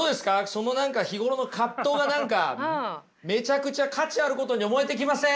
その何か日頃の葛藤が何かめちゃくちゃ価値あることに思えてきません？